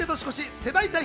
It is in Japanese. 世代対決